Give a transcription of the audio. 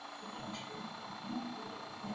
正德十六年赦还。